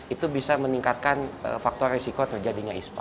itu bisa meningkatkan faktor risiko terjadinya ispa